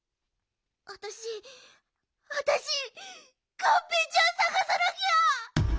あたしあたしがんぺーちゃんさがさなきゃ！